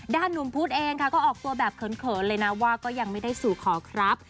หนุ่มพุธเองค่ะก็ออกตัวแบบเขินเลยนะว่าก็ยังไม่ได้สู่ขอครับ